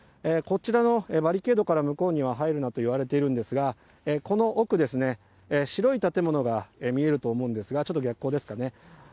こちらのバリケードから向こうには入るなと言われているんですが、この奥ですね、白い建物が見えると思うんですが、ちょっと逆光ですかね。